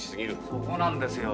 そこなんですよ。